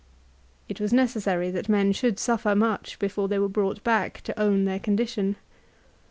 It was necessary that men should suffer much before they were brought back to own their condition.